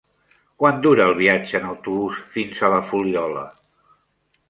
Quant dura el viatge en autobús fins a la Fuliola?